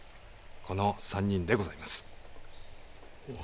この３人でございます。